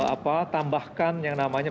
apa tambahkan yang namanya